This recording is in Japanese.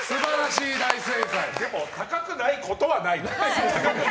でも高くないことはない。